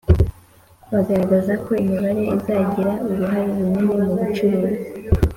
bagaragaza ko imibare izagira uruhare runini mubucuruzi